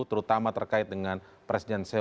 terutama terkait dengan presiden